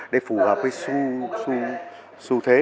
để phù hợp với xu thế